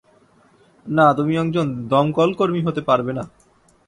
না, তুমি একজন দমকলকর্মী হতে পারবে না।